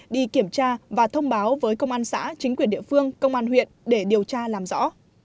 đi kiểm tra và thông báo với công an xã chính quyền địa phương công an huyện để điều tra làm rõ